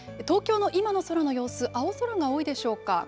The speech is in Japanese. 東京の今の空の様子、青空が多いでしょうか。